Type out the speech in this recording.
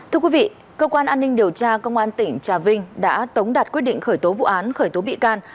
thưa quý vị cơ quan an ninh điều tra công an tỉnh trà vinh đã tống đạt quyết định khởi tố vụ án khởi tố bị can